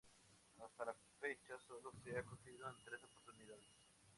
Hasta la fecha sólo se ha concedido en tres oportunidades.